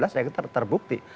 saya kira terbukti